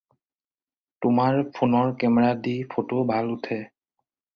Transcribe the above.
তোমাৰ ফোনৰ কেমেৰা দি ফটো ভাল উঠে।